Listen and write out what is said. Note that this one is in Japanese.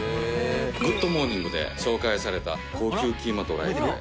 『グッド！モーニング』で紹介された高級キーマドライカレー。